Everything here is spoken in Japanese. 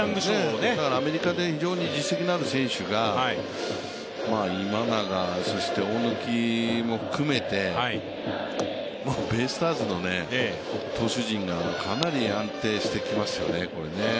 だからアメリカで非常に実績のある選手が、今永、大貫も含めて、ベイスターズの投手陣がかなり安定してきますよね。